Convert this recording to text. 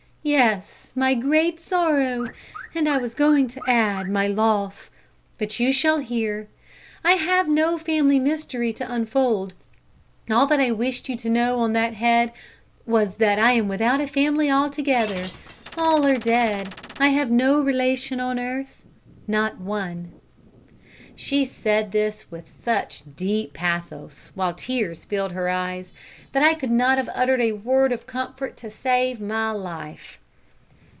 "Yes, my great sorrow, and I was going to add, my loss. But you shall hear. I have no family mystery to unfold. All that I wished you to know on that head was that I am without family altogether. All are dead. I have no relation on earth not one." She said this with such deep pathos, while tears filled her eyes, that I could not have uttered a word of comfort to save my life.